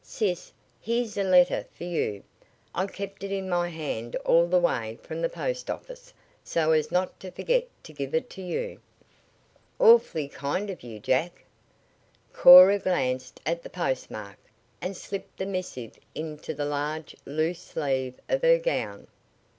"Sis, here's a letter for you. I kept it in my hand all the way from the post office so as not to forget to give it to you." "Awfully kind of you, Jack." Cora glanced at the postmark, and slipped the missive into the large, loose sleeve of her gown.